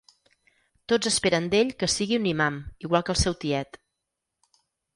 Tots esperen d’ell que sigui un imam, igual que el seu tiet.